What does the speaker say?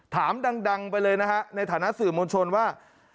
ถามดังไปเลยนะฮะในฐานะสื่อมวลชนว่า